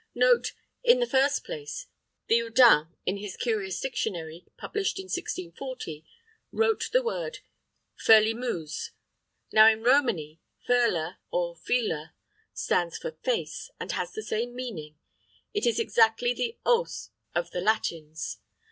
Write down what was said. Note, in the first place, the Oudin, in his curious dictionary, published in 1640, wrote the word firlimouse. Now in Romany, firla, or fila, stands for "face," and has the same meaning it is exactly the os of the Latins.